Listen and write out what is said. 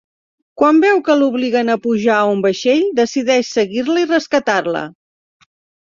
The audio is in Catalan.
Quan veu que l'obliguen a pujar a un vaixell, decideix seguir-la i rescatar-la.